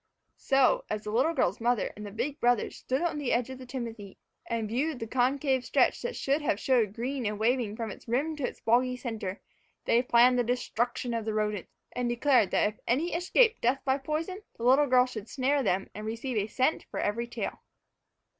So, as the little girl's mother and the big brothers stood on the edge of the timothy and viewed the concave stretch that should have showed green and waving from its rim to the boggy center, they planned the destruction of the rodents, and declared that if any escaped death by poison, the little girl should snare them and receive a cent for each tail.